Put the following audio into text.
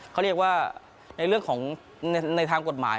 เขาเรียกว่าในเรื่องของในทางกฎหมาย